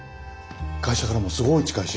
会社からもすごい近いし。